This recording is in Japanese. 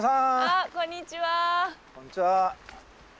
こんにちは。